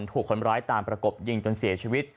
ถูกคนร้ายตามประกบยิงจนเสียชีวิต